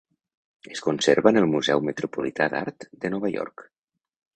Es conserva en el Museu Metropolità d'Art de Nova York.